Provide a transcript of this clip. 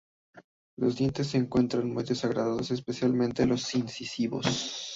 Los dientes se encuentran muy desgastados, especialmente los incisivos.